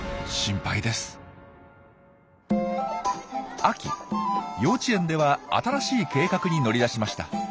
秋幼稚園では新しい計画に乗り出しました。